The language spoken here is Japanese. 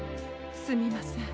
すみません。